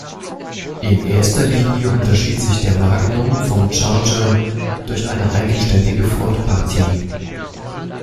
In erster Linie unterschied sich der Magnum vom Charger durch eine eigenständige Frontpartie.